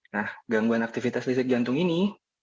nah gangguan aktivitas listrik jantung ini